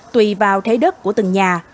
tùy vào thế đất của từng nhà